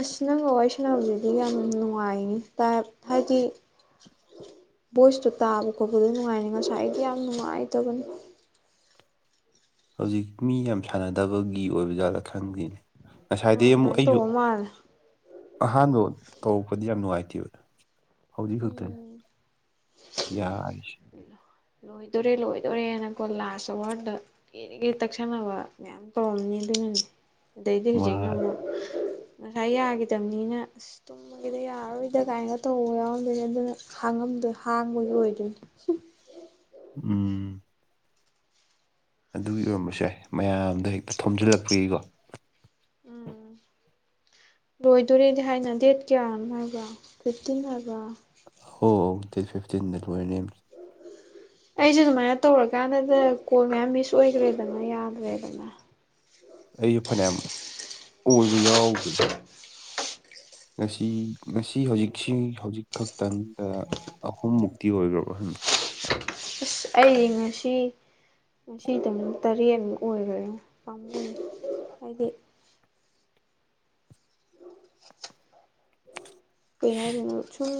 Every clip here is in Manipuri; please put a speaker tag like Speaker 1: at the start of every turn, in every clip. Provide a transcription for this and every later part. Speaker 1: ꯑꯁ ꯅꯪꯒ ꯋꯥꯔꯤ ꯁꯥꯟꯅꯕꯖꯤꯗꯤ ꯌꯥꯝ ꯅꯨꯡꯉꯥꯏꯅꯤ ꯇꯥꯏꯞ ꯍꯥꯏꯗꯤ ꯚꯣꯏꯁꯇꯣ ꯇꯥꯕ ꯈꯣꯠꯄꯗ ꯅꯨꯡꯉꯥꯏꯅꯤ ꯉꯁꯥꯏꯗꯤ ꯌꯥꯝ ꯅꯨꯡꯉꯥꯏꯇꯕꯅꯤ
Speaker 2: ꯍꯧꯖꯤꯛ ꯃꯤ ꯌꯥꯝ ꯁꯥꯟꯅꯗꯕꯒꯤ ꯑꯣꯏꯕ ꯖꯥꯠꯂꯥ ꯈꯪꯗꯦꯅꯦ ꯉꯁꯥꯏꯗꯤ
Speaker 1: ꯑꯥ
Speaker 2: ꯑꯃꯨꯛ
Speaker 1: ꯑꯗꯨꯃꯥꯏꯅ
Speaker 2: ꯑꯩꯖꯨ
Speaker 1: ꯇꯧꯕ ꯃꯥꯜꯂꯦ
Speaker 2: ꯑꯍꯥꯟꯕ ꯇꯧꯕꯗꯤ ꯌꯥꯝ ꯅꯨꯡꯉꯥꯏꯇꯦꯕ ꯍꯧꯗꯤ ꯈꯛꯇꯅꯦ
Speaker 1: ꯎꯝ
Speaker 2: ꯌꯥꯔꯤꯁꯦ
Speaker 1: ꯂꯣꯏꯗꯣꯔꯦ ꯂꯣꯏꯗꯣꯔꯦꯅꯀꯣ ꯂꯥꯁ ꯑꯋꯥꯔꯗ ꯒꯤꯔꯤ ꯒꯤꯔꯤ ꯇꯛꯁꯟꯅꯕꯅꯦ ꯌꯥꯝ ꯇꯧꯔꯝꯅꯤ ꯑꯗꯨꯅꯅꯦ ꯑꯗꯩꯗꯤ
Speaker 2: ꯃꯥ
Speaker 1: ꯍꯧꯖꯤꯛꯅ ꯑꯃꯨꯛ ꯉꯁꯥꯏ ꯌꯥꯒꯤꯗꯝꯅꯤꯅ ꯑꯁ ꯇꯨꯝꯃꯒꯦꯗ ꯌꯥꯔꯣꯏꯗ ꯀꯥꯏꯅ ꯇꯧꯕ ꯌꯥꯎ ꯑꯣꯏꯔꯦ ꯑꯗꯨꯅ ꯍꯥꯡꯉꯝꯗꯦ ꯍꯥꯡꯕꯒꯤ ꯑꯣꯏꯗꯣꯏꯅꯦ
Speaker 2: ꯎꯝ ꯑꯗꯨꯒꯤ ꯑꯣꯏꯔꯝꯕꯁꯨ ꯌꯥꯏ ꯃꯌꯥꯝꯗ ꯍꯦꯛꯇ ꯊꯣꯝꯖꯤꯜꯂꯛꯄꯒꯤꯀꯣ
Speaker 1: ꯎꯝ
Speaker 2: [inaudible]
Speaker 1: ꯂꯣꯏꯗꯣꯔꯦꯗꯤ ꯍꯥꯏꯅ ꯗꯦꯠ ꯀꯌꯥ ꯑꯃ ꯍꯥꯏꯕ ꯐꯤꯐꯇꯤꯟ ꯍꯥꯏꯕ꯭ꯔꯣ
Speaker 2: ꯍꯣ ꯗꯦꯠ ꯐꯤꯞꯇꯤꯟꯗ ꯂꯣꯏꯔꯅꯤ ꯍꯥꯏ
Speaker 1: ꯑꯩꯖꯨ ꯑꯗꯨꯃꯥꯏꯅ ꯇꯧꯔꯀꯥꯟꯗꯗ ꯀꯣꯜ ꯃꯌꯥꯝ ꯃꯤꯁ ꯑꯣꯏꯒ꯭ꯔꯦꯗꯅ ꯌꯥꯗ꯭ꯔꯦꯗꯅ
Speaker 2: ꯑꯩ ꯐꯅꯌꯥꯝ ꯑꯣꯏꯕ ꯌꯥꯎꯕꯟ ꯉꯁꯤ ꯉꯁꯤ ꯍꯧꯖꯤꯛꯁꯤ ꯍꯧꯖꯤꯛ ꯈꯛꯇꯪꯗ ꯑꯍꯨꯝ ꯃꯨꯛꯇꯤ ꯑꯣꯏꯒ꯭ꯔꯕ ꯍꯪꯗꯦ
Speaker 1: ꯁ ꯑꯩ ꯉꯁꯤ ꯉꯁꯤꯗꯪ ꯇꯔꯦꯠꯃꯨꯛ ꯑꯣꯏꯒ꯭ꯔꯦꯉꯣ ꯄꯥꯝꯃꯨꯏ ꯍꯥꯏꯗꯤ [unintelligible] ꯀꯩ ꯍꯥꯏꯗꯅꯣ ꯁꯨꯝ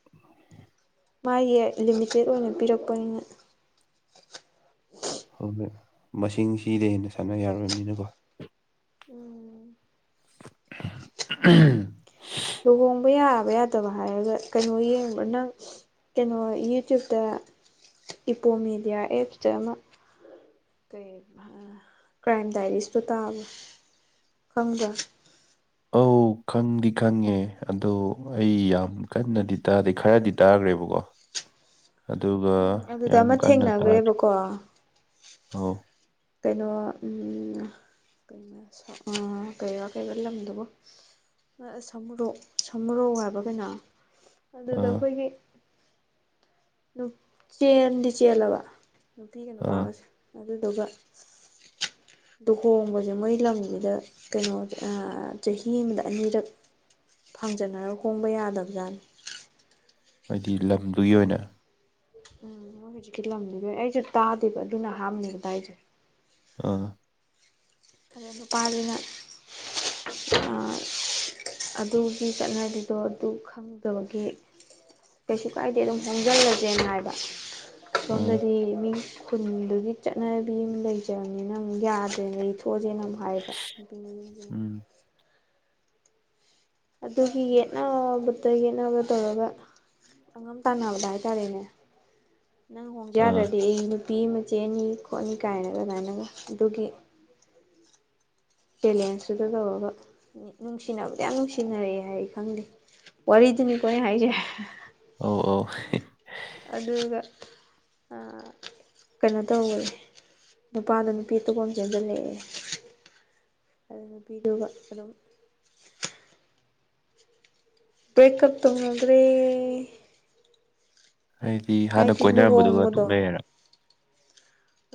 Speaker 2: [unintelligible]
Speaker 1: ꯃꯥꯏꯌꯦ ꯂꯤꯃꯤꯇꯦꯠ ꯑꯣꯏꯅ ꯄꯤꯔꯛꯄꯅꯤꯅ
Speaker 2: ꯍꯪꯗꯦ ꯃꯁꯤꯡ ꯁꯤꯗ ꯍꯦꯟꯅ ꯁꯥꯟꯅ ꯌꯥꯔꯣꯏꯃꯅꯤꯅꯀꯣ
Speaker 1: ꯎꯝ
Speaker 2: ꯎ [unintelligible]
Speaker 1: ꯂꯨꯍꯣꯡꯕ ꯌꯥꯕ ꯌꯥꯗꯕ ꯍꯥꯏꯔꯒ ꯀꯩꯅꯣ ꯌꯦꯡꯕ ꯅꯪ ꯀꯩꯅꯣ ꯌꯨꯇ꯭ꯌꯨꯕꯇ ꯏꯄꯣꯝ ꯃꯦꯗꯤꯌꯥ ꯑꯦꯞꯇ ꯑꯃ ꯀ꯭ꯔꯥꯏꯝ ꯗꯥꯏꯔꯤꯁꯇꯣ ꯇꯥꯕ ꯈꯪꯕ꯭ꯔꯥ
Speaker 2: ꯑꯧ ꯈꯪꯗꯤ ꯈꯪꯉꯦ ꯑꯗꯣ ꯑꯩ ꯌꯥꯝ ꯀꯟꯅꯗꯤ ꯇꯥꯗꯦ ꯈꯔꯗꯤ ꯇꯥꯈ꯭ꯔꯦꯕꯀꯣ ꯑꯗꯨꯒ
Speaker 1: ꯎꯝ ꯑꯗꯨꯗ
Speaker 2: ꯌꯥꯝ
Speaker 1: ꯑꯃ
Speaker 2: ꯀꯟꯅ ꯇꯥꯔ
Speaker 1: ꯊꯦꯡꯅꯈ꯭ꯔꯦꯕꯀꯣ
Speaker 2: ꯑꯥꯎ
Speaker 1: ꯀꯩꯅꯣ ꯀꯩꯅ ꯀꯩꯅꯣꯀꯩꯅꯣ ꯂꯝꯗꯨꯕꯨ ꯁꯃꯨꯔꯣꯛ ꯁꯃꯨꯔꯧ ꯍꯥꯏꯕ ꯀꯩꯅꯣ ꯑꯗꯨꯗ
Speaker 2: ꯑꯥ
Speaker 1: ꯑꯩꯈꯣꯏꯒꯤ ꯆꯦꯟꯗꯤ ꯆꯦꯜꯂꯕ ꯅꯨꯄꯤꯒ
Speaker 2: ꯑꯥ
Speaker 1: ꯅꯨꯄꯥꯒꯁꯦ ꯑꯗꯨꯗꯨꯒ ꯂꯨꯍꯣꯡꯕꯁꯦ ꯃꯣꯏ ꯂꯝꯁꯤꯗ ꯀꯩꯅꯣ ꯆꯍꯤ ꯑꯃꯗ ꯑꯅꯤꯔꯛ ꯐꯥꯡꯖꯟꯅꯔꯒ ꯍꯣꯡꯕ ꯌꯥꯗꯕꯖꯥꯠꯅꯤ
Speaker 2: ꯍꯥꯏꯗꯤ ꯂꯝ
Speaker 1: ꯑꯗꯨ ꯎꯝ ꯃꯣꯏ ꯍꯧꯖꯤꯛꯀꯤ ꯂꯝꯗꯨ ꯂꯣꯏ ꯑꯩꯁꯨ ꯇꯥꯗꯦꯕ ꯑꯗꯨꯅ ꯑꯍꯥꯟꯕꯅꯦ ꯇꯔꯤꯁꯦ
Speaker 2: ꯑꯥ
Speaker 1: ꯑꯗꯣ ꯅꯨꯄꯥꯗꯨꯅ ꯑꯗꯨꯒꯤ ꯆꯠꯅꯕꯤꯗꯣ ꯑꯗꯨ ꯈꯪꯗꯕꯒꯤ ꯀꯩꯁꯨ ꯀꯥꯏꯗꯦ ꯑꯗꯨꯝ ꯍꯣꯡꯁꯤꯜꯂꯁꯦꯅ ꯍꯥꯏꯕ
Speaker 2: ꯑꯥ
Speaker 1: ꯁꯣꯝꯗꯗꯤ ꯃꯤ ꯈꯨꯟꯗꯨꯒꯤ ꯆꯠꯅꯕꯤ ꯑꯃ ꯂꯩꯖꯕꯅꯤꯅ ꯑꯃꯨꯛ ꯌꯥꯗ꯭ꯔꯦ ꯂꯩ ꯇꯣꯛꯑꯁꯦꯅ ꯍꯥꯏꯕ
Speaker 2: ꯎꯝ
Speaker 1: ꯑꯗꯨꯒꯤ ꯌꯦꯠꯅꯕꯕꯨꯠꯇ ꯌꯦꯠꯅꯕ ꯇꯧꯔꯒ ꯑꯪꯉꯝ ꯇꯅꯕꯗꯥ ꯍꯥꯢ ꯇꯔꯦ ꯅꯪ ꯍꯣꯡ
Speaker 2: ꯑꯥ
Speaker 1: ꯌꯥꯔꯗꯤ ꯑꯩ ꯅꯨꯄꯤ ꯑꯃ ꯆꯦꯅꯤ ꯈꯣꯠꯅꯤ ꯀꯥꯏꯅ ꯑꯗꯨꯃꯥꯏꯅ ꯑꯗꯨꯒꯤ ꯆꯦꯜꯂꯦꯟꯁꯨ ꯇꯧꯔꯒ ꯅꯨꯡꯁꯤꯅꯕꯗ ꯌꯥꯝ ꯅꯨꯡꯁꯤꯅꯔꯛꯑꯦ ꯍꯥꯏ ꯈꯪꯗꯦ ꯋꯥꯔꯤꯗꯨꯅꯤꯀꯣ ꯍꯥꯏꯁꯦ
Speaker 2: ꯑꯧ ꯑꯧ
Speaker 1: ꯑꯗꯨꯒ ꯀꯩꯅꯣ ꯇꯧꯋꯦ ꯅꯨꯄꯥꯗꯣ ꯅꯨꯄꯤ ꯑꯇꯣꯞꯄ ꯆꯦꯟꯁꯤꯜꯂꯛꯑꯦ ꯑꯗꯨ ꯅꯨꯄꯤꯗꯨꯒ ꯑꯗꯨꯝ ꯕꯦꯀꯞ ꯇꯧꯅꯒꯔꯦ
Speaker 2: ꯑꯩꯗꯤ ꯍꯥꯟꯅ
Speaker 1: ꯍꯥꯏꯗꯤ
Speaker 2: ꯀꯣꯏꯅꯔꯝꯕꯗꯨꯒ
Speaker 1: ꯂꯨꯍꯣꯡꯕꯗꯣ
Speaker 2: ꯇꯣꯛꯅꯩꯔ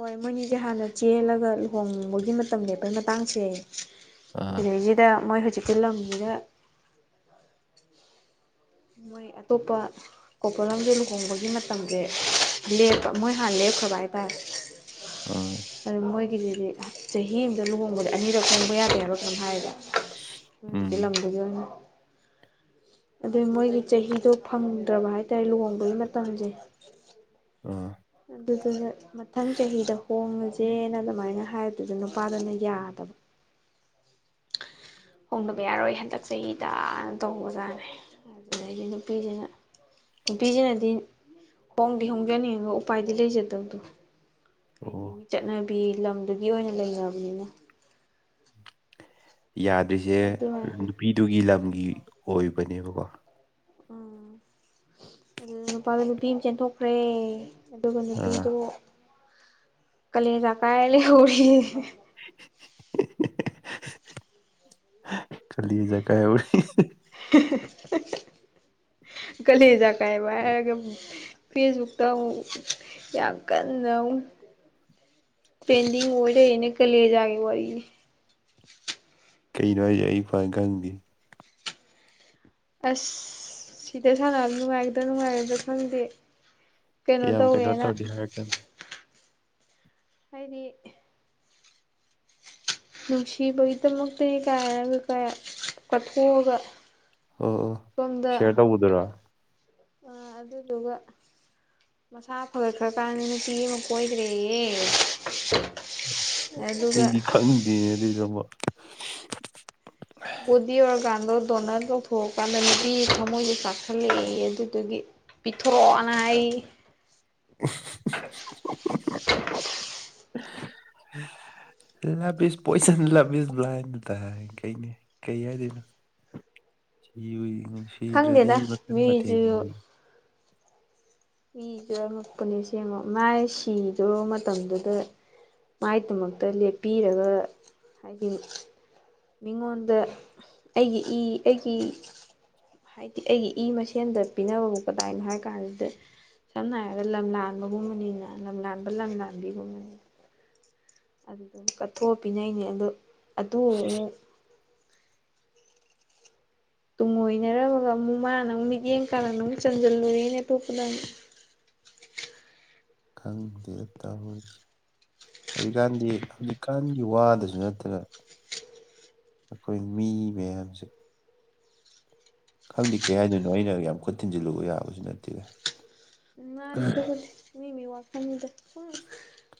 Speaker 1: ꯍꯣꯏ ꯃꯣꯏꯅꯤꯗꯤ ꯍꯥꯟꯅ ꯆꯦꯜꯂꯒ ꯂꯨꯍꯣꯡꯕꯒꯤ ꯃꯇꯝ ꯂꯦꯞꯄꯩ ꯃꯇꯥꯡꯁꯦ
Speaker 2: ꯑꯥ
Speaker 1: ꯁꯤꯗꯩꯁꯤꯗ ꯃꯣꯏ ꯍꯧꯖꯤꯛꯀꯤ ꯂꯝꯁꯤꯗ ꯃꯣꯏ ꯑꯇꯣꯞꯄ ꯀꯣꯄꯣꯜꯂꯝꯗꯦ ꯂꯨꯍꯣꯡꯕꯒꯤ ꯃꯇꯝꯁꯦ ꯂꯦꯞꯄ ꯃꯣꯏ ꯍꯥꯟꯅ ꯂꯦꯞꯈ꯭ꯔꯕ ꯍꯥꯏꯇꯥꯥꯔꯦ
Speaker 2: ꯑꯥ
Speaker 1: ꯑꯗꯨ ꯃꯣꯏꯒꯤꯗꯨꯗꯤ ꯆꯍꯤ ꯑꯃꯗ ꯂꯨꯍꯣꯡꯕꯗꯤ ꯑꯅꯤꯔꯛ ꯈꯣꯡꯕ ꯌꯥꯗꯦꯕ ꯀꯩꯅꯣ ꯍꯥꯏꯕ ꯍꯧꯖꯤꯛꯀꯤ
Speaker 2: ꯎꯝ
Speaker 1: ꯂꯝꯗꯨꯗ ꯑꯗꯨ ꯃꯣꯏꯒꯤ ꯆꯍꯤꯗꯣ ꯐꯪꯗ꯭ꯔꯕ ꯍꯥꯏꯇꯥꯔꯦ ꯂꯨꯍꯣꯡꯕꯒꯤ ꯃꯇꯝꯁꯦ
Speaker 2: ꯑꯥ
Speaker 1: ꯑꯗꯨꯗꯨꯅ ꯃꯊꯪ ꯆꯍꯤꯗ ꯍꯣꯡꯉꯁꯦꯅ ꯑꯗꯨꯃꯥꯏꯅ ꯍꯥꯏꯕꯗꯨꯗ ꯅꯨꯄꯥꯗꯨꯅ ꯌꯥꯗꯕ
Speaker 2: [inaudible]
Speaker 1: ꯍꯣꯡꯗꯕ ꯌꯥꯔꯣꯏ ꯍꯟꯗꯛ ꯆꯍꯤꯇ ꯇꯧꯕ ꯖꯥꯠꯅꯦ ꯑꯗꯨꯗꯒꯤ ꯅꯨꯄꯤꯁꯤꯅ ꯅꯨꯄꯤꯁꯤꯅꯗꯤ ꯍꯣꯡꯗꯤ ꯍꯣꯡꯖꯅꯤꯡꯉꯒ ꯎꯄꯥꯏꯗꯤ ꯂꯩꯖꯗꯕꯗꯣ ꯍꯥꯏꯗꯤ
Speaker 2: ꯑꯣ
Speaker 1: ꯆꯠꯅꯕꯤ ꯂꯝꯗꯨꯒꯤ ꯑꯣꯏꯅ ꯂꯩꯅꯕꯅꯤꯅ
Speaker 2: ꯌꯥꯗ꯭ꯔꯤꯁꯦ
Speaker 1: ꯑꯗꯨꯃꯥꯏ
Speaker 2: ꯅꯨꯄꯤꯗꯨꯒꯤ ꯂꯝꯒꯤ ꯑꯣꯏꯕꯅꯦꯕꯀꯣ
Speaker 1: ꯎꯝ ꯑꯗꯨ ꯅꯨꯄꯥꯗꯣ ꯅꯨꯄꯤ ꯑꯃ ꯆꯦꯟꯊꯣꯛꯈ꯭ꯔꯦ ꯑꯗꯨꯒ
Speaker 2: ꯑꯥ
Speaker 1: ꯅꯨꯄꯤꯗꯣ ꯀꯥꯂꯦꯟꯖꯥ ꯀꯥꯏ ꯂꯩꯍꯧꯔꯦꯌ
Speaker 2: ꯀꯂꯦꯟꯖ ꯀꯥꯏꯍꯧꯔꯦ
Speaker 1: ꯀꯂꯦꯟꯖ ꯀꯥꯏꯍꯧꯔꯦ ꯍꯥꯢꯔꯒ ꯐꯦꯁꯕꯨꯛꯇ ꯑꯃꯨꯛ ꯌꯥꯝ ꯀꯟꯅ ꯑꯃꯨꯛ ꯄꯦꯟꯗꯤꯡ ꯑꯣꯏꯔꯅꯦ ꯀꯂꯦꯟꯖꯒꯤ ꯋꯥꯔꯤꯗꯒꯤ
Speaker 2: ꯀꯩꯅꯣ ꯍꯥꯏꯁꯦ ꯑꯩꯄꯥꯎ ꯈꯪꯗꯦ
Speaker 1: ꯑꯁ ꯁꯤꯗ ꯁꯥꯟꯅꯕ ꯅꯨꯡꯉꯥꯏꯒꯗ ꯅꯨꯡꯉꯥꯏꯔꯣꯢꯗ ꯈꯪꯗꯦ ꯀꯩꯅꯣ
Speaker 2: ꯌꯥꯝ
Speaker 1: ꯇꯧꯔꯦꯅ
Speaker 2: ꯇꯧꯗꯦ ꯍꯥꯏꯔꯛꯀꯅꯨ
Speaker 1: ꯍꯥꯏꯗꯤ ꯅꯨꯡꯁꯤꯕꯒꯤꯗꯃꯛꯇ ꯀꯥꯏꯔꯒ ꯀꯌꯥ ꯀꯠꯊꯣꯛꯑꯒ
Speaker 2: ꯑꯣ ꯑꯣ ꯁꯤꯦꯌꯔ ꯇꯧꯕꯗꯨꯔꯥ
Speaker 1: ꯑ ꯑꯗꯨꯗꯨꯒ ꯃꯁꯥ ꯐꯒꯠꯈ꯭ꯔꯀꯥꯟꯅꯤ ꯅꯨꯄꯤ ꯑꯃ ꯀꯣꯏꯗ꯭ꯔꯦꯌꯦ
Speaker 2: ꯑꯩꯗꯤ ꯈꯪꯗꯦ ꯑꯗꯨꯏꯗ
Speaker 1: ꯕꯣꯗꯤ ꯑꯣꯔꯒꯥꯟꯗꯣ ꯗꯣꯅꯔꯠ ꯂꯧꯧꯊꯣꯛꯑꯀꯥꯟꯗ ꯅꯨꯄꯤ ꯊꯃꯣꯏꯗ ꯆꯥꯛꯈꯠꯂꯛꯏ ꯑꯗꯨꯗꯨꯒꯤ [unintelligible] ꯍꯥꯏꯑꯌꯦ
Speaker 2: [inaudible]
Speaker 1: [inaudible]
Speaker 2: [inaudible] love is poison love is blind ꯇꯥꯔꯦ ꯀꯩꯅ ꯀꯩ ꯍꯥꯏꯗꯣꯏꯅꯣ ꯁꯤꯕꯨ ꯁꯤꯗ꯭ꯔꯗꯤ
Speaker 1: ꯈꯪꯗꯦꯗ
Speaker 2: ꯃꯈꯟ ꯃꯊꯦꯜ
Speaker 1: ꯃꯤꯁꯨ ꯃꯤꯁꯨ ꯑꯉꯛꯄꯅꯦ ꯁꯦꯡꯉꯣ ꯃꯥꯥꯏ ꯁꯤꯗꯕ ꯃꯇꯝꯗꯨꯗ ꯃꯥꯏꯗꯃꯛꯇ ꯂꯦꯞꯄꯤꯔꯒ ꯍꯥꯏꯗꯤ ꯃꯤꯉꯣꯟꯗ ꯑꯩꯒꯤ ꯏ ꯑꯩꯒꯤ ꯍꯥꯏꯗꯤ ꯑꯩꯒꯤ ꯏ ꯃꯁꯦꯟꯗ ꯄꯤꯅꯕꯕꯧ ꯀꯗꯥꯏꯅꯣ ꯍꯥꯏꯔ ꯀꯥꯟꯁꯤꯗ ꯁꯝꯅ ꯍꯥꯏꯔꯕꯗ ꯂꯝ ꯂꯥꯟꯕꯒꯨꯝꯕꯅꯤꯅ ꯂꯝꯂꯥꯟꯕ ꯂꯝ ꯂꯥꯟꯕꯤꯒꯨꯝꯕꯅꯤꯅ ꯀꯠꯊꯣꯛꯑ ꯄꯅꯩꯅꯦ ꯑꯗꯨ ꯑꯗꯨ ꯑꯃꯨꯛ ꯇꯨꯡꯑꯣꯏꯅꯔꯃꯒ ꯑꯃꯨꯛ ꯃꯥꯅ ꯑꯃꯨꯛ ꯃꯤꯠꯌꯦꯡ ꯀꯥꯔꯟ ꯑꯃꯨꯛ ꯆꯟꯖꯜꯂꯨꯔꯦꯅꯦ ꯑꯇꯣꯞꯄꯗꯃꯨꯛ
Speaker 2: ꯈꯪꯗꯦꯗ ꯇꯧꯔꯤꯁꯦ ꯍꯧꯖꯤꯛꯀꯥꯟꯗꯤ ꯍꯧꯖꯤꯛꯀꯥꯟꯒꯤ ꯋꯥꯗꯁꯨ ꯅꯠꯇꯅ ꯑꯩꯈꯣꯏ ꯃꯤ ꯃꯌꯥꯝꯁꯦ ꯈꯪꯗꯦ ꯀꯩ ꯍꯥꯏꯗꯣꯏꯅꯣ ꯑꯩꯅ ꯌꯥꯝ ꯈꯨꯠ ꯊꯤꯟꯖꯤꯜꯂꯨꯕ ꯌꯥꯕꯁꯨ ꯅꯠꯇꯦ
Speaker 1: ꯃꯥꯅꯦ ꯑꯗꯨꯕꯨꯗꯤ ꯃꯤꯃꯤ ꯋꯥꯈꯜꯅꯤꯗ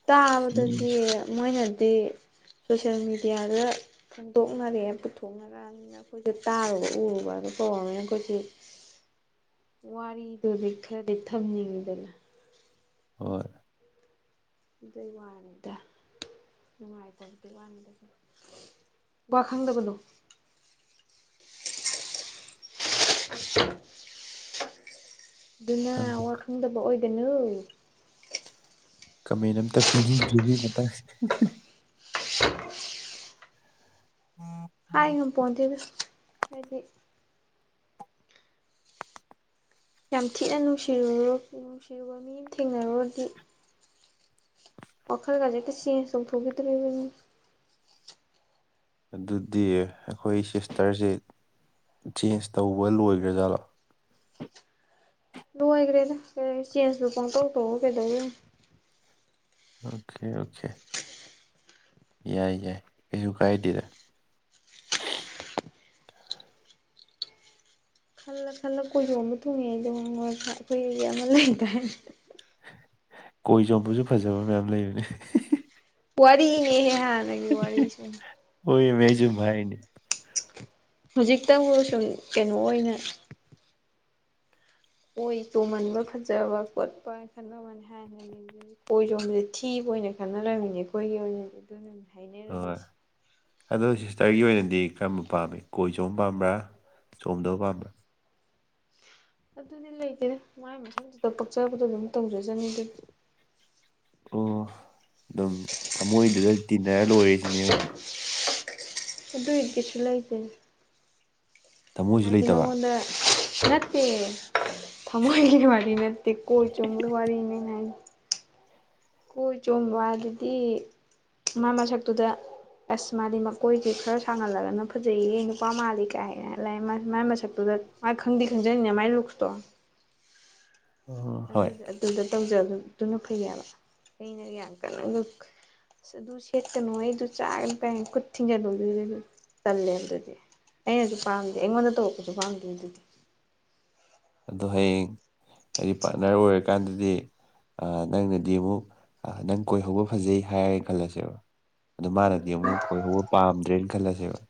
Speaker 1: ꯇꯥꯕꯗꯗꯤ
Speaker 2: ꯃꯤꯁꯦ
Speaker 1: ꯃꯣꯏꯅꯗꯤ ꯁꯣꯁꯤꯌꯦꯜ ꯃꯦꯗꯤꯌꯥꯗ ꯐꯣꯡꯗꯣꯛꯅꯔꯦ ꯄꯨꯊꯣꯛꯅꯔꯒ ꯑꯈꯣꯏꯗꯤ ꯇꯥꯔꯨꯕ ꯎꯔꯨꯕ ꯗꯣ ꯀꯧꯕꯅꯤꯅ ꯑꯩꯈꯣꯏꯗꯤ ꯋꯥꯔꯤꯗꯨꯗꯤ ꯈꯔꯗꯤ ꯊꯝꯅꯤꯡꯕꯅꯤ
Speaker 2: ꯍꯣꯏ
Speaker 1: ꯑꯗꯨꯏ ꯋꯥꯅꯤꯗ ꯅꯨꯡꯉꯥꯏꯇꯕꯗꯨꯢ ꯋꯥꯅꯤ ꯋꯥ ꯈꯪꯗꯕꯅꯨꯞ [inaudible] ꯑꯗꯨꯅ
Speaker 2: ꯈꯪꯗꯦ
Speaker 1: ꯋꯥ ꯈꯪꯗꯕ ꯑꯣꯏꯒꯅꯨ
Speaker 2: ꯀꯃꯦꯟ ꯑꯝꯇ ꯄꯤꯕꯤ [unintelligible] ꯃꯇꯥꯡꯁꯤ [inaudible]
Speaker 1: ꯍꯥꯏ ꯉꯝꯄꯣꯟꯇꯦꯗ ꯍꯥꯏꯗꯤ ꯌꯥꯝ ꯊꯤꯅ ꯅꯨꯡꯁꯤꯔꯨꯔꯣ ꯅꯨꯡꯁꯤꯔꯨꯕ ꯃꯤ ꯑꯃ ꯊꯦꯡꯅꯔꯨꯔꯗꯤ ꯋꯥꯈꯜꯒꯥꯁꯦ ꯍꯦꯛꯇ ꯆꯦꯟꯁ ꯇꯧꯊꯣꯛꯈꯤꯗꯧꯔꯤꯕꯅꯤ
Speaker 2: ꯑꯗꯨꯗꯤ ꯑꯩꯈꯣꯏ ꯁꯤꯁꯇꯔꯁꯦ ꯆꯦꯟꯖ ꯇꯧꯕ ꯂꯣꯏꯈ꯭ꯔꯖꯥꯠꯂꯣ
Speaker 1: ꯂꯣꯏꯒ꯭ꯔꯦꯗ ꯀ ꯆꯦꯟꯖꯄꯨ ꯄꯪꯇꯧ ꯇꯧꯔ ꯀꯩꯗꯧꯗꯣꯏꯅꯣ
Speaker 2: ꯑꯣꯀꯦ ꯑꯣꯀꯦ ꯌꯥꯏ ꯌꯥꯏ ꯀꯩꯁꯨ ꯀꯥꯏꯗꯦꯗ
Speaker 1: ꯈꯜꯂ ꯈꯜꯂ ꯀꯣꯏꯖꯣꯝꯕ ꯊꯨꯡꯉꯦꯗꯣ [unintelligible] ꯑꯩꯈꯣꯏꯒꯤ ꯑꯃ ꯂꯩꯗꯥꯏ
Speaker 2: ꯀꯣꯏ ꯆꯣꯝꯕꯁꯨ ꯐꯖꯕ ꯃꯌꯥꯝ ꯂꯩꯕꯅꯤ
Speaker 1: ꯋꯥꯔꯤꯅꯦꯍꯦ ꯍꯥ
Speaker 2: ꯍꯣꯏꯃꯤ ꯑꯩꯁꯨ ꯁꯨꯝ ꯍꯥꯏꯔꯤꯅꯤ
Speaker 1: ꯍꯧꯖꯤꯛꯇꯕꯨ ꯁꯨꯝ ꯀꯩꯅꯣ ꯑꯣꯏꯅ ꯀꯣꯏ ꯆꯣꯝꯍꯟꯟꯕ ꯐꯖꯕ ꯈꯣꯠꯄꯥꯅ ꯈꯟꯅꯕ ꯋꯥꯅꯦ ꯍꯥ ꯀꯣꯏ ꯆꯣꯝꯕꯁꯦ ꯊꯤꯕ ꯑꯣꯏꯅ ꯈꯥꯟꯅꯔꯝꯃꯤꯅꯦ ꯈꯣꯏꯒꯤ ꯑꯣꯏꯅꯗꯤ ꯑꯗꯨꯅꯅꯦ
Speaker 2: ꯍꯣꯏ
Speaker 1: ꯍꯥꯏꯅꯔꯝꯃꯤꯁꯤ
Speaker 2: ꯑꯗꯣ ꯁꯤꯁꯇꯔꯒꯤ ꯑꯣꯏꯅꯗꯤ ꯀꯔꯝꯕ ꯄꯥꯝꯃꯤ ꯀꯣꯏ ꯆꯣꯝꯕ ꯄꯥꯝꯕ꯭ꯔꯥ ꯆꯣꯝꯗꯕ ꯄꯥꯝꯕ꯭ꯔꯥ
Speaker 1: ꯑꯗꯨꯗꯤ ꯂꯩꯇꯦ ꯃꯥꯏ ꯃꯁꯛꯇꯨꯗ ꯄꯛꯆꯕꯗꯣ ꯑꯗꯨꯝ ꯇꯧꯖꯖꯅꯤꯗ
Speaker 2: ꯑꯣ ꯑꯗꯨꯝ ꯊꯃꯣꯏꯗꯨꯗ ꯇꯤꯟꯅꯔ ꯂꯣꯏꯔꯦ
Speaker 1: ꯑꯗꯨꯏ ꯀꯩꯁꯨ ꯂꯩꯇꯦꯗ
Speaker 2: ꯊꯃꯣꯏꯁꯨ
Speaker 1: ꯍꯥꯏꯗꯤ
Speaker 2: ꯂꯩꯇꯕ
Speaker 1: ꯃꯪꯉꯣꯟꯗ ꯅꯠꯇꯦ ꯊꯝꯃꯣꯏꯒꯤ ꯋꯥꯔꯤ ꯅꯠꯇꯦ ꯀꯣꯏ ꯆꯣꯝꯕꯩ ꯋꯥꯔꯤꯅꯦ ꯑꯩꯅ ꯍꯥꯏꯁꯦ ꯀꯣꯏ ꯆꯣꯝꯕ ꯑꯗꯨꯗꯤ ꯃꯥ ꯃꯁꯛꯇꯨꯗ ꯑꯁ ꯃꯥꯗꯤ ꯃꯈꯣꯏꯁꯦ ꯈꯔ ꯁꯥꯡꯍꯜꯂꯒꯅ ꯐꯖꯩꯌꯦ ꯅꯨꯄꯥ ꯃꯥꯜꯂꯤ ꯀꯥꯏꯅ ꯂꯥꯏꯃꯟ ꯃꯥꯥꯏ ꯃꯁꯛꯇꯨꯗ ꯃꯥ ꯈꯪꯗꯤ ꯈꯪꯖꯩꯅꯥ ꯃꯥꯏ ꯂꯨꯛꯁꯇꯣ
Speaker 2: ꯑꯣ ꯍꯣꯏ
Speaker 1: ꯑꯗꯨꯗꯤ ꯑꯗꯨꯗ ꯇꯧꯖꯗꯨꯅ ꯐꯩꯌꯦꯕ ꯑꯩꯅ ꯌꯥꯝ ꯀꯟꯅ ꯑꯁ ꯑꯗꯨ ꯁꯦꯠꯀꯅꯨ ꯍꯩ ꯑꯗꯨ ꯆꯥꯒꯅꯨ ꯀꯥꯏ ꯈꯨꯠ ꯊꯤꯡꯖꯤꯟꯕ [inaudible] ꯇꯜꯂꯦꯕ ꯑꯗꯨꯗꯤ ꯑꯩꯅꯖꯨ ꯄꯥꯝꯗꯦ ꯑꯩꯉꯣꯟꯗ ꯇꯧꯔꯛꯄꯁꯨ ꯄꯥꯝꯗꯦ ꯑꯗꯨꯗꯤ
Speaker 2: ꯑꯗꯣ ꯍꯌꯦꯡ ꯑꯩꯒꯤ ꯄꯥ꯭ꯔꯠꯅꯔ ꯑꯣꯏꯔꯀꯥꯟꯗꯗꯤ ꯑ ꯅꯪꯅꯗꯤ ꯑꯃꯨꯛ ꯑ ꯅꯪ ꯀꯣꯏꯍꯧꯕ ꯐꯖꯩ ꯍꯥꯏꯔꯦꯅ ꯈꯜꯂꯁꯦꯕ ꯑꯗꯨ ꯃꯥꯅꯗꯤ
Speaker 1: ꯎꯝ
Speaker 2: ꯑꯃꯨꯛ ꯀꯣꯏꯍꯧꯕ ꯄꯥꯝꯗ꯭ꯔꯦꯅ ꯈꯜꯂꯁꯦꯕ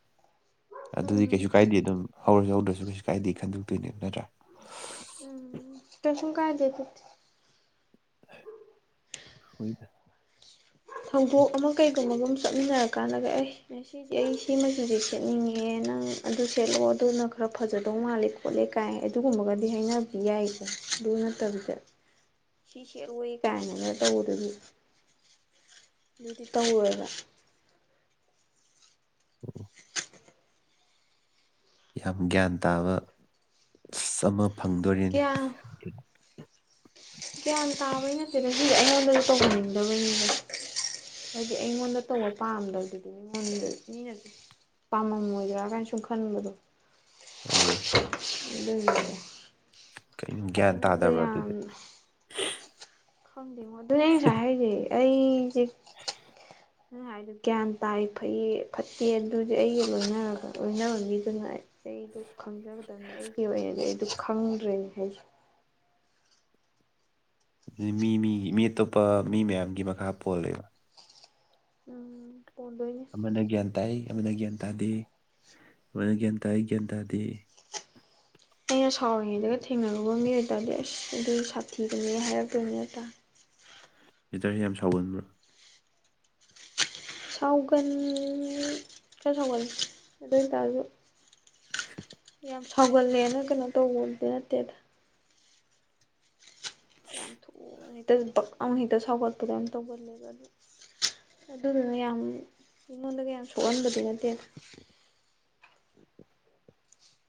Speaker 2: ꯑꯗꯨꯗꯤ
Speaker 1: ꯎꯝ
Speaker 2: ꯀꯩꯁꯨ ꯀꯥꯏꯗꯦ ꯑꯗꯨꯝ ꯍꯧꯔꯁꯨ ꯍꯧꯗ꯭ꯔꯁꯨ ꯀꯩꯁꯨ ꯀꯥꯏꯦ ꯈꯟꯗꯣꯛꯇꯣꯏꯅꯦꯕ ꯅꯠꯇ꯭ꯔꯥ
Speaker 1: ꯇꯁꯨꯝ ꯀꯥꯏ [inaudible]
Speaker 2: ꯍꯣꯏꯗ
Speaker 1: ꯊꯧꯗꯣꯛ ꯑꯃ ꯀꯩꯒꯨꯝꯕꯒꯨꯝ ꯆꯠꯃꯤꯟꯅꯔ ꯀꯥꯟꯗꯒ ꯑꯩ ꯁꯤꯖ‌ꯦ ꯑꯩ ꯁꯤ ꯃꯆꯨꯖ‌ꯦ ꯁꯦꯠꯅꯤꯡꯉꯤꯍ‌ꯦ ꯅꯪ ꯑꯗꯨ ꯁꯦꯠꯂꯣ ꯑꯗꯨꯅ ꯈꯔ ꯐꯖꯗꯧ ꯃꯥꯜꯂꯤꯀꯣ ꯄꯣꯠꯂꯦ ꯀꯥꯏ ꯑꯗꯨꯒꯨꯝꯕꯒꯗꯤ ꯍꯥꯏꯅꯕꯗꯤ ꯌꯥꯏꯀ‌ꯣ ꯑꯗꯨ ꯅꯠꯇꯕꯤꯗ
Speaker 2: [unintelligible]
Speaker 1: ꯁꯤ ꯁꯦꯠꯂ‌ꯣ [inaudible] ꯀꯥꯏꯅꯒ ꯇꯧꯕꯗꯨꯗꯤ ꯑꯗꯨꯗꯤ ꯇꯧꯔ‌ꯣꯏꯕ
Speaker 2: ꯌꯥꯝ ꯒ꯭ꯌꯥꯟ ꯇꯥꯕ [inaudible] ꯑꯃ ꯐꯪꯗꯣꯔꯦꯅ‌ꯦ
Speaker 1: ꯒ꯭ꯌꯥꯟ ꯒ꯭ꯌꯥꯟ ꯇꯥꯕꯩ ꯅꯠꯇ‌ꯦ ꯁꯤꯖ‌ꯦ ꯑꯩꯉꯣꯟꯗꯁꯨ ꯇꯧꯍꯟꯅꯤꯡꯗꯕꯩꯅꯤꯗ ꯍꯥꯏꯗꯤ ꯑꯩꯉꯣꯟꯗ ꯇꯧꯕ ꯄꯥꯝꯗꯕꯗꯨꯗꯤ ꯃꯤꯉꯣꯟꯗꯖꯨ ꯃꯤꯅꯖꯨ ꯄꯥꯝꯃꯝꯃꯣꯏꯗ꯭ꯔꯥ ꯒꯥꯏꯅ ꯁꯨꯝ ꯈꯟꯕꯗꯣ
Speaker 2: ꯑꯥꯎ
Speaker 1: ꯑꯗꯨꯒꯤ
Speaker 2: ꯀꯩꯅꯨ ꯒ꯭ꯌꯥꯟ ꯇꯥꯗꯕ꯭ꯔꯥ
Speaker 1: ꯌꯥꯝ
Speaker 2: ꯑꯗꯨꯗꯤ
Speaker 1: ꯈꯪꯗꯦꯉꯣ ꯑꯗꯨꯅ‌ꯦ ꯑꯩ ꯉꯁꯥꯏ ꯍꯥꯏꯔꯤꯁꯦ ꯑꯩꯖ‌ꯦ ꯅꯪ ꯍꯥꯏꯗ‌ꯣ ꯒ꯭ꯌꯥꯟ ꯇꯥꯏ ꯐꯩꯌꯦ ꯐꯠꯇꯦ ꯑꯗꯨꯗꯤ ꯑꯩꯒ ꯂꯣꯏꯅꯔꯒ ꯂ‌ꯣꯏꯅꯕ ꯃꯤꯗꯨꯅ ꯑꯩ ꯑꯩꯗꯣ ꯈꯪꯖꯒꯗꯝꯕꯅꯦ ꯑꯩꯒꯤ ꯑꯣꯏꯅꯗꯤ ꯑꯩꯗꯨ ꯈꯪꯗ꯭ꯔꯦꯕ [inaudible]
Speaker 2: ꯑꯗꯨꯗꯤ ꯃꯤ-ꯃꯤꯒꯤ ꯃꯤ ꯑꯇꯣꯞꯄ ꯃꯤ ꯃꯌꯥꯝꯒꯤ ꯃꯈꯥ ꯄꯣꯜꯂ‌ꯦꯕ
Speaker 1: ꯎꯝ ꯄꯣꯟꯗꯣꯏꯅꯦ
Speaker 2: ꯑꯃꯅ ꯒ꯭ꯌꯥꯟ ꯇꯥꯏ ꯑꯃꯅ ꯒ꯭ꯌꯥꯟ ꯇꯥꯗꯦ ꯑꯃꯅ ꯒ꯭ꯌꯥꯟ ꯇꯥꯏ ꯒ꯭ꯌꯥꯟ ꯇꯥꯗꯦ
Speaker 1: ꯑꯩꯅ ꯁꯥꯎꯔꯤꯉꯩꯗꯒ ꯊꯦꯡꯅꯔꯨꯕ ꯃꯤ ꯑꯣꯏꯇꯥꯔꯗꯤ ꯑꯁ ꯑꯗꯨ ꯁꯥꯊꯤꯕꯅꯦ ꯍꯥꯏꯔꯛꯇꯣꯏꯅꯦ ꯅꯠꯇ꯭ꯔꯥ
Speaker 2: ꯁꯤꯁꯇꯔꯁꯤ ꯌꯥꯝ ꯁꯥꯎꯒꯟꯕ꯭ꯔꯥ
Speaker 1: ꯁꯥꯎꯒꯟ ꯈꯔ ꯁꯥꯎꯒꯟꯂꯤ ꯑꯗꯨ ꯑꯣꯏꯇꯥꯔꯖꯨ
Speaker 2: [unintelligible]
Speaker 1: ꯌꯥꯝ ꯁꯥꯎꯒꯜꯂꯦꯅ ꯀꯩꯅꯣ ꯇꯧꯕꯨꯗꯤ ꯅꯠꯇꯦꯗ ꯌꯥꯝ ꯊꯨꯅ ꯍ‌ꯦꯛꯇ ꯗꯛ ꯂꯥꯎꯅ ꯍ‌ꯦꯛꯇ ꯁꯥꯎꯒꯠꯄꯗ‌ꯣ ꯌꯥꯝ ꯇꯧꯒꯜꯂꯦꯕ [inaudible] ꯑꯗꯨꯅꯅ‌ꯦ ꯌꯥꯝ ꯃꯤꯉꯣꯟꯗꯒ ꯌꯥꯝ ꯁꯣꯛꯍꯟꯕꯗꯤ ꯅꯠꯇꯦꯗ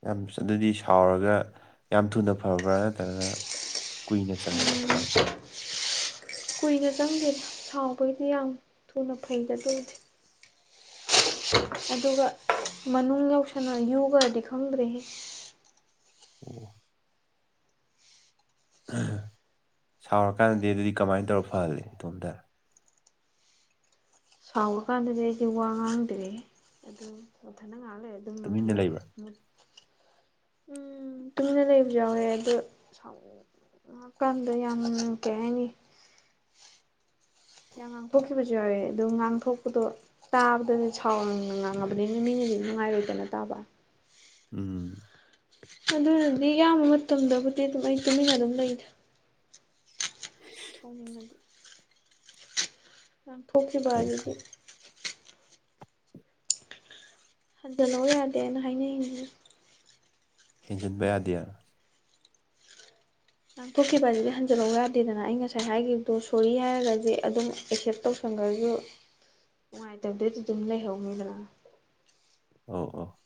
Speaker 2: ꯌꯥꯝ ꯑꯗꯨꯗꯤ ꯁꯥꯎꯔꯒ ꯌꯥꯝ ꯊꯨꯅ ꯐꯕ꯭ꯔꯥ ꯅꯠꯇ꯭ꯔꯒꯅ ꯀꯨꯏꯅ ꯆꯪꯕꯔ ꯐꯕ
Speaker 1: ꯀꯨꯏꯅ ꯆꯪꯗꯦꯅ ꯁꯥꯎꯕꯒꯤꯗꯤ ꯌꯥꯝ ꯊꯨꯅ ꯐꯩꯗ ꯑꯗꯨꯕꯨꯗꯤ ꯑꯗꯨꯒ ꯃꯅꯨꯡ ꯌꯥꯎꯁꯟꯅ ꯌꯨꯒꯔꯗꯤ ꯈꯪꯗ꯭ꯔꯦꯍ‌ꯦ
Speaker 2: ꯑꯣ ꯁꯥꯎꯔꯀꯥꯟꯗꯗꯤ ꯑꯗꯨꯗꯤ ꯀꯃꯥꯏꯅ ꯇꯧꯔ ꯐꯍꯜꯂꯦ ꯏꯇꯣꯝꯇ
Speaker 1: ꯁꯥꯎꯔ ꯀꯥꯟꯗꯗꯤ ꯑꯩꯗꯤ ꯋꯥ ꯉꯥꯡꯗ꯭ꯔꯦꯍ‌ꯦ ꯑꯗꯨꯝ ꯃꯊꯟꯗ ꯉꯥꯡꯍꯥꯛ ꯂꯩꯔꯅꯤ ꯑꯗꯨꯝ
Speaker 2: ꯇꯨꯃꯤꯟꯅ
Speaker 1: ꯃꯊꯟꯗ
Speaker 2: ꯂꯩꯕ꯭ꯔꯥ
Speaker 1: ꯃꯨꯠ ꯎꯝ ꯇꯨꯃꯤꯟꯅ ꯂꯩꯕꯖꯨ ꯌꯥꯎꯋ‌ꯦ ꯑꯗꯨ [inaudible] ꯀꯥꯟꯗ ꯌꯥꯝ ꯅꯨꯡ ꯀꯩꯍꯥꯏꯅꯤ ꯌꯥꯝ ꯉꯥꯡꯊꯣꯛꯈꯤꯕꯁꯨ ꯌꯥꯎꯋꯦ ꯑꯗꯨꯝ ꯉꯥꯡꯊꯣꯛꯄꯗꯣ ꯇꯥꯕꯗꯗꯤ ꯁꯥꯎꯔꯪꯅ ꯉꯥꯡꯉꯕꯅꯤꯅ ꯃꯤꯅꯗꯤ ꯅꯨꯡꯉꯥꯏꯔꯣꯏꯗꯅ ꯇꯥꯕ
Speaker 2: ꯎꯝ
Speaker 1: ꯑꯗꯨꯅꯗꯤ ꯏꯌꯥꯝꯕ ꯃꯇꯝꯗꯕꯨꯗꯤ ꯑꯗꯨꯝ ꯑꯩ ꯇꯨꯃꯤꯟꯅ ꯑꯗꯨꯝ ꯂꯩꯗ ꯊꯣꯡꯃꯤ ꯊꯣꯛꯈꯤꯕ
Speaker 2: ꯐꯩ
Speaker 1: ꯍꯥꯏ
Speaker 2: ꯐꯩ
Speaker 1: ꯑꯗꯨꯗꯤ ꯍꯟꯖꯂꯛꯎ ꯌꯥꯗꯦꯑꯅ ꯍꯥꯏꯅꯩꯅꯤ
Speaker 2: ꯍꯦꯟꯖꯤꯟꯕ ꯌꯥꯗꯦꯅ
Speaker 1: ꯉꯥꯡꯊꯣꯛꯈꯤꯕ ꯑꯁꯤꯗꯤ ꯍꯟꯖꯤꯜꯍꯧ ꯌꯥꯗꯦꯗꯅ ꯑꯩ ꯉꯁꯥꯏ ꯍꯥꯏꯈꯤꯕꯗꯣ ꯁꯣꯔꯤ ꯍꯥꯏꯔꯒꯁꯦ ꯑꯗꯨꯝ ꯑꯦꯛꯁꯦꯞ ꯇꯧꯁ ꯁꯪꯒꯥꯏꯁꯨ
Speaker 2: [inaudible]
Speaker 1: ꯅꯨꯡꯉꯥꯏꯇꯕꯗꯨꯗꯤ ꯑꯗꯨꯝ ꯂꯩꯍꯧꯅꯤꯗꯅ
Speaker 2: ꯑꯣ ꯑꯣ